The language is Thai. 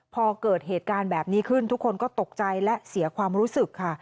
พอเกิดเหตุการณ์แบบนี้ขึ้นทุกคนก็ตกใจและเสียความรู้สึกค่ะ